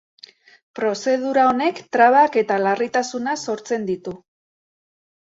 Prozedura honek trabak eta larritasuna sortzen ditu.